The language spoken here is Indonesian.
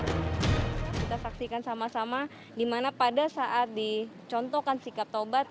kita saksikan sama sama dimana pada saat dicontohkan sikap taubat